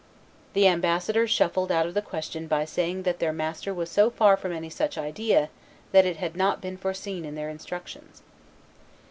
The ambassadors shuffled out of the question by saying that their master was so far from any such idea, that it had not been foreseen in their instructions.